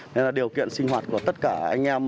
nên là điều kiện sinh hoạt của tất cả anh em